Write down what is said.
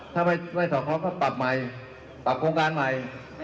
ถ้าไม่สอดคล้องก็ปรับใหม่ปรับโครงการใหม่